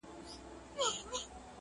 زلمي، زلمي کلونه جهاني قبر ته توی سول٫